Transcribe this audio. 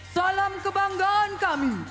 salam kebanggaan kami